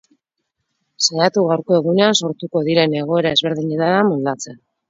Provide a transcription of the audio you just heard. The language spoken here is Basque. Saiatu gaurko egunean sortuko diren egoera ezberdinetara moldatzen.